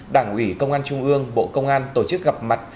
đảng ủy công an trung ương bộ công an tổ chức gặp mặt